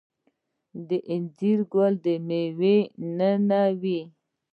د انځر ګل د میوې دننه وي؟